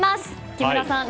木村さん。